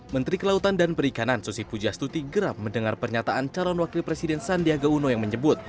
menteri kelautan dan perikanan susi pujastuti geram mendengar pernyataan calon wakil presiden sandiaga uno yang menyebut